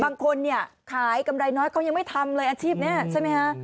บางคนเนี่ยขายกำไรน้อยเขายังไม่ทำเลยอาชีพนี้ใช่ไหมคะ